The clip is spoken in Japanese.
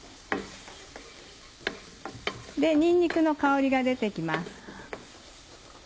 にんにくの香りが出て来ます。